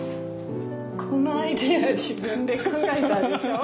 このアイデア自分で考えたんでしょ？